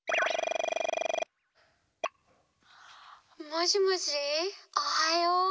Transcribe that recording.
もしもしおはよう。